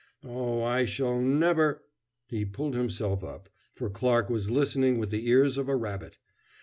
Oh, I shall never " He pulled himself up, for Clarke was listening with the ears of a rabbit.